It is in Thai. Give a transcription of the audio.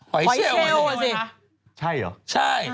หอยเชลว่ะสิใช่หรอใช่